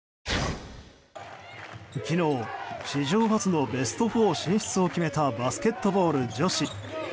昨日、史上初のベスト４を決めたバスケットボール女子。